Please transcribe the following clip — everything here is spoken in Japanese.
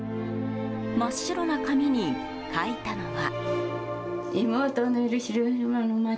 真っ白な紙に書いたのは。